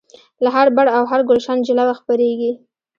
له هر بڼ او هر ګلشن جلوه خپریږي